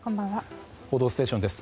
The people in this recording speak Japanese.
「報道ステーション」です。